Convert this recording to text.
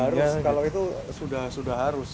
harus kalau itu sudah harus